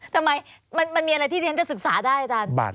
ทำไมมันมีอะไรที่เรียนจะศึกษาได้อาจารย์